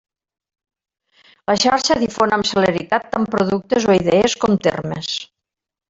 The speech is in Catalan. La xarxa difon amb celeritat tant productes o idees, com termes.